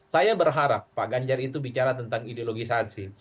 saya berharap pak ganjar itu bicara tentang ideologisasi